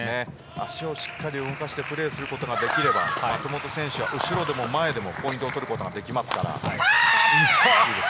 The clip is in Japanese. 足をしっかり動かしてプレーすることができれば松本選手は後ろでも前でもポイントを取ることができますから。